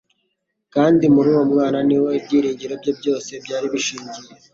kandi muri uwo mwana ni ho ibyiringiro bye byose byari bishingiye.